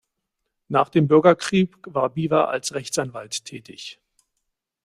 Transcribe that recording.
Nach dem Bürgerkrieg war Beaver als Rechtsanwalt tätig.